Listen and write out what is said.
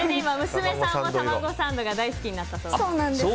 娘さんもたまごサンドが大好きになったそうです。